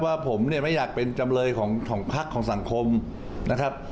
ว่าผมเนี่ยไม่อยากเป็นจำเลยของพักของสังคมนะครับ